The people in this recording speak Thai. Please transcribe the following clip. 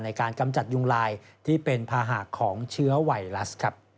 กำจัดยุงลายที่เป็นภาหะของเชื้อไวรัส